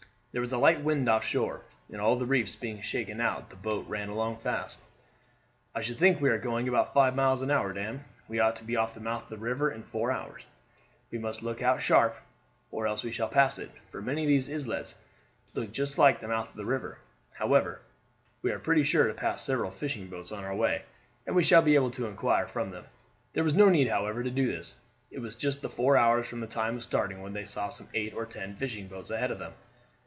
There was a light wind off shore, and all the reefs being shaken out the boat ran along fast. "I should think we are going about five miles an hour, Dan. We ought to be off the mouth of the river in four hours. We must look out sharp or else we shall pass it, for many of these islets look just like the mouth of the river. However, we are pretty sure to pass several fishing boats on our way, and we shall be able to inquire from them." There was no need, however, to do this. It was just the four hours from the time of starting when they saw some eight or ten fishing boats ahead of them.